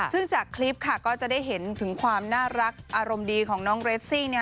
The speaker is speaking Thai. ซึ่งจากคลิปค่ะก็จะได้เห็นถึงความน่ารักอารมณ์ดีของน้องเรสซิ่ง